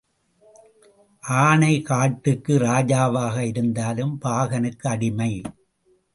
ஆனை காட்டுக்கு ராஜாவாக இருந்தாலும் பாகனுக்கு அடிமை.